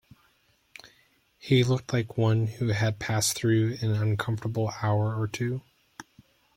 He looked like one who had passed through an uncomfortable hour or two.